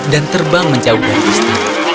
dan terbang menjauh dari istana